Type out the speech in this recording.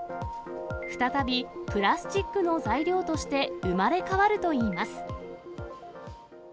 再びプラスチックの材料として生まれ変わるといいます。